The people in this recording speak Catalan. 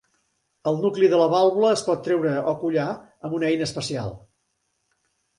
El nucli de la vàlvula es pot treure o collar amb una eina especial.